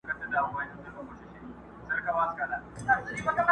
چي قاتل په غره کي ونیسي له غاره.!